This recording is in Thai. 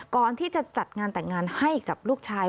ก่อนที่จะจัดงานแต่งงานให้กับลูกชาย